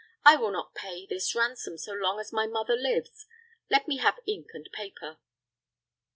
I will not pay this ransom so long as my mother lives. Let me have ink and paper."